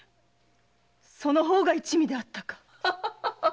その方が一味であったか！